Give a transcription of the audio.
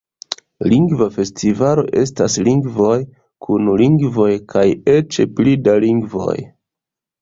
Lingva Festivalo estas lingvoj, kun lingvoj, kaj eĉ pli da lingvoj.